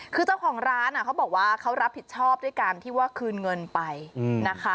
คือเจ้าของร้านเขาบอกว่าเขารับผิดชอบด้วยการที่ว่าคืนเงินไปนะคะ